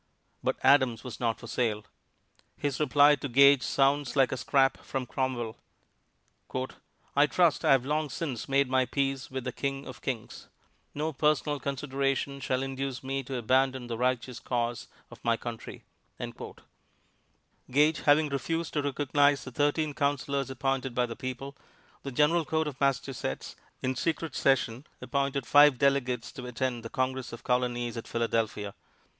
But Adams was not for sale. His reply to Gage sounds like a scrap from Cromwell: "I trust I have long since made my peace with the King of Kings. No personal consideration shall induce me to abandon the Righteous Cause of my Country." Gage having refused to recognize the thirteen Counselors appointed by the people, the General Court of Massachusetts, in secret session, appointed five delegates to attend the Congress of Colonies at Philadelphia.